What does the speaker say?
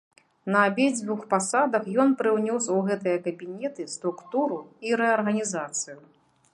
На абедзвюх пасадах ён прыўнёс у гэтыя кабінеты структуру і рэарганізацыю.